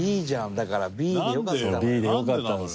だからＢでよかったのよ。